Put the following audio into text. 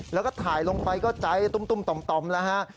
แล้วก็ถ่ายลงไปก็ใจตุ้มต่อมแล้วฮะ